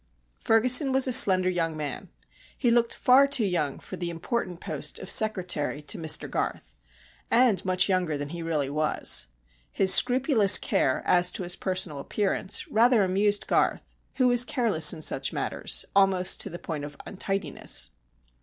Ferguson was a slender young man. He looked far too young for the important post of secretary to Mr Garth, and much younger than he really was. His scrupulous care as to his personal appearance rather amused Garth, who was careless in such matters almost to the point of untidiness.